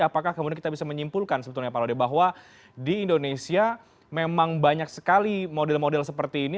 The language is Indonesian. apakah kemudian kita bisa menyimpulkan sebetulnya pak laude bahwa di indonesia memang banyak sekali model model seperti ini